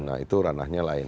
nah itu ranahnya lain